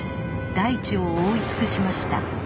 大地を覆い尽くしました。